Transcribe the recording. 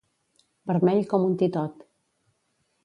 Vermell com un titot.